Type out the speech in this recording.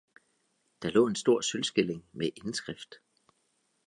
Der lå en stor sølvskilling med indskrift.